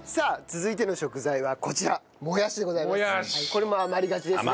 これも余りがちですね。